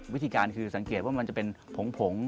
วิธีการคือสังเกตว่ามันจะเป็นผงผง